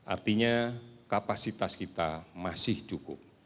artinya kapasitas kita masih cukup